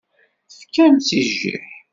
Tefkamt-tt i jjiḥ.